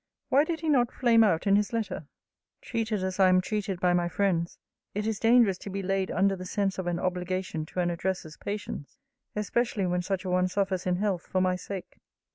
Why did he not flame out in his letter? Treated as I am treated by my friends, it is dangerous to be laid under the sense of an obligation to an addresser's patience; especially when such a one suffers in health for my sake.